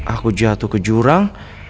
aku jatuh ke jurang